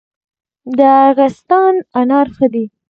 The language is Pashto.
د ارغستان انار ښه دي